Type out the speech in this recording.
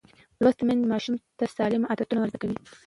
لوستې میندې ماشوم ته سالم عادتونه ورزده کوي.